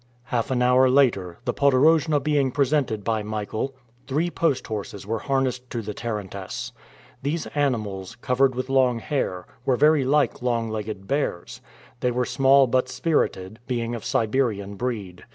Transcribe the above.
Half an hour later, the podorojna being presented by Michael, three post horses were harnessed to the tarantass. These animals, covered with long hair, were very like long legged bears. They were small but spirited, being of Siberian breed.